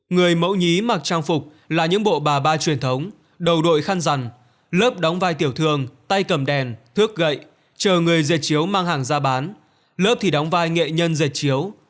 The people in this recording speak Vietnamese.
người mẫu nhí mặc trang phục là những bộ bà ba truyền thống đầu đội khăn rằn lớp đóng vai tiểu thường tay cầm đèn thước gậy chờ người dệt chiếu mang hàng ra bán lớp thì đóng vai nghệ nhân dệt chiếu